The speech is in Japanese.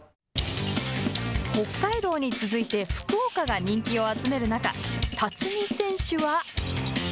北海道に続いて福岡が人気を集める中辰己選手は。